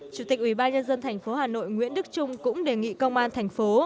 chủ tịch ubnd tp hà nội nguyễn đức trung cũng đề nghị công an tp